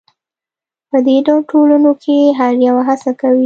په دې ډول ټولنو کې هر یو هڅه کوي.